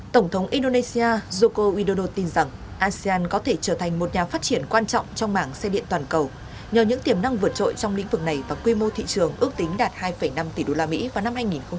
tổng thống indonesia joko udodo tin rằng asean có thể trở thành một nhà phát triển quan trọng trong mảng xe điện toàn cầu nhờ những tiềm năng vượt trội trong lĩnh vực này và quy mô thị trường ước tính đạt hai năm tỷ usd vào năm hai nghìn hai mươi